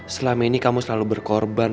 selama ini kamu selalu berkorban